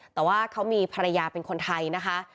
แต่ว่าเขามีภรรยาเป็นคนไทยนะคะ